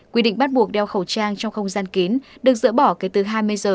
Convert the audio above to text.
quy định bắt buộc đeo khẩu trang trong không gian kín được dỡ bỏ kể từ hai mươi giờ